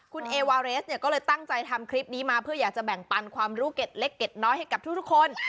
คุณเอวาเรสเนี่ยก็เลยตั้งใจทำคลิปนี้มาเพื่ออยากจะแบ่งปันความรู้เก็ดเล็กเด็ดน้อยให้กับทุกคน